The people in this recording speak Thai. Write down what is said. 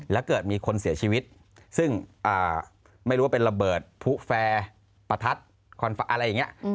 แล้วเกิดมีคนเสียชีวิตซึ่งไม่รู้ว่าเป็นระเบิดผู้แฟร์ประทัดอะไรอย่างนี้